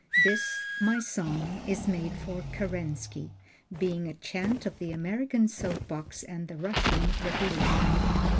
"This, My Song, Is Made for Kerensky" (Being a Chant of the American Soap Box and the Russian Revolution.)